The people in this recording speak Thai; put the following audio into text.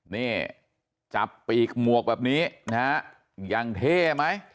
นี่จับปีกหมวกแบบนี้นะฮะยังเท่ไหม